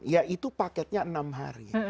ya itu paketnya enam hari